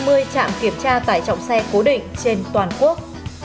đây là một trạm kiểm tra tải trọng xe cố định trên toàn quốc